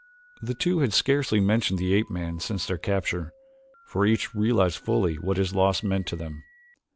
The two had scarcely mentioned the ape man since their capture, for each realized fully what his loss meant to them.